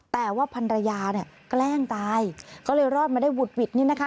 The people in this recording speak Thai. แต่ว่าพันรยาเนี่ยแกล้งตายก็เลยรอดมาได้หุดหวิดนี่นะคะ